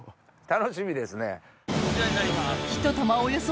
楽しみですね。